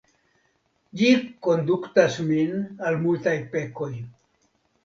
Ĝi konduktas min al multaj pekoj.